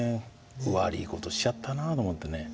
悪いことしちゃったなと思ってね。